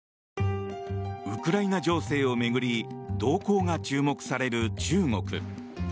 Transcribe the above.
ウクライナ情勢を巡り動向が注目される中国。